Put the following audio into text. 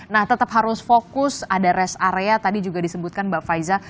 nah tetap harus fokus ada rest area tadi juga disebutkan mbak faiza